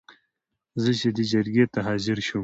زه چې دې جرګې ته حاضر شوم.